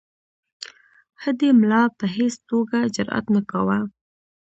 هډې ملا په هیڅ توګه جرأت نه کاوه.